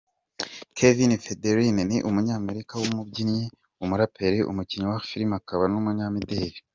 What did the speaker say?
Kevin Federline ni umunyamerika w’umubyinnyi, umuraperi, umukinnyi wa Filime akaba n’umunyamideri.